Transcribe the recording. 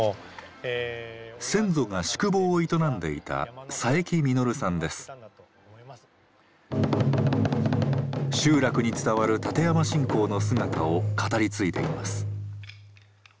先祖が宿坊を営んでいた集落に伝わる立山信仰の姿を語り継いでいます。